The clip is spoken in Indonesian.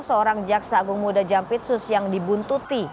seorang jaksa agung muda jampitsus yang dibuntuti